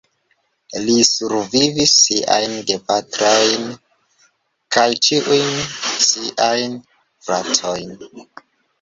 Li survivis siajn gepatrojm kaj ĉiujn siajn fratojn.